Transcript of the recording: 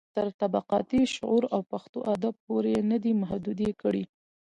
تر طبقاتي شعور او پښتو ادب پورې يې نه دي محدوې کړي.